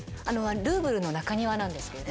ルーブルの中庭なんですけど。